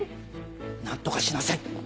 何とかしなさい。